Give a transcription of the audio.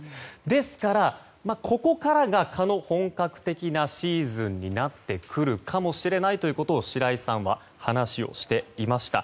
ですから、ここからが蚊の本格的なシーズンになってくるかもしれないと白井さんは話をしていました。